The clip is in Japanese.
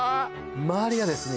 周りがですね